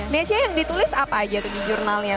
nesya yang ditulis apa aja tuh di jurnalnya